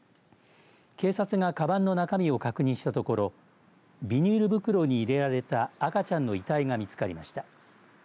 警察がかばんの中身を確認したところビニール袋に入れられた赤ちゃんの遺体が見つかりました。